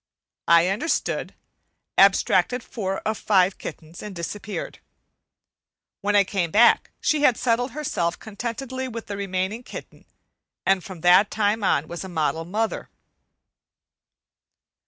I understood, abstracted four of the five kittens, and disappeared. When I came back she had settled herself contentedly with the remaining kitten, and from that time on was a model mother.